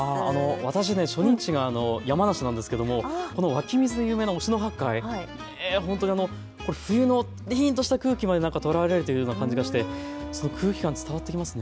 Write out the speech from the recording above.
私、初任地が山梨なんですがこの湧き水が有名な忍野八海、本当に冬のりんとした空気まで捉えられているような気がして、空気感、伝わってきますね。